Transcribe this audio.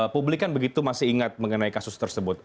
publik kan begitu masih ingat mengenai kasus tersebut